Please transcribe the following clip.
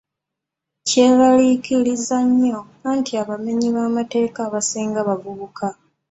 Kyeraliikiriza nnyo anti abamenyi b'amateeka abasinga bavubuka.